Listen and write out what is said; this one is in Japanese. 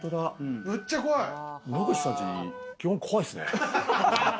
野口さんち、基本怖いですね。